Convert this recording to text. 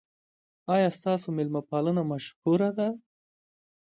ایا ستاسو میلمه پالنه مشهوره ده؟